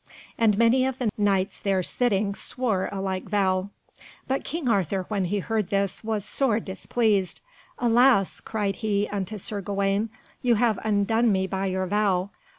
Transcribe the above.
And many of the Knights there sitting swore a like vow. But King Arthur, when he heard this, was sore displeased. "Alas!" cried he unto Sir Gawaine, "you have undone me by your vow.